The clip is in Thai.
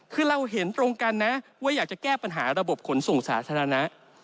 คือเราเห็นตรงกันนะว่าอยากจะแก้ปัญหาระบบขนส่งสาธารณะ